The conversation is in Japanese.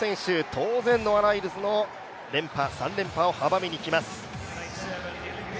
当然、ノア・ライルズの３連覇を阻みにきます。